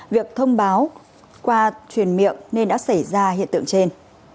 việc thông báo qua truyền miệng nên đã xảy ra hiện tượng trên